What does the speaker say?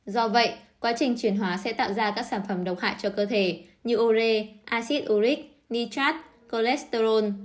do vậy quá trình chuyển hóa sẽ tạo ra các sản phẩm độc hại cho cơ thể như ore acid uric nitrat cholesterol